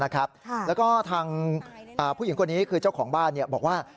แล้วก็ทางผู้หญิงคนนี้คือเจ้าของบ้านบอกว่า